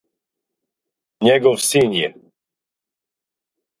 Његов син је.